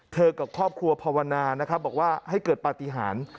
กับครอบครัวภาวนานะครับบอกว่าให้เกิดปฏิหาร